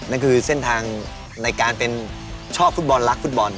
นั่นคือเส้นทางในการเป็นชอบฟุตบอลรักฟุตบอล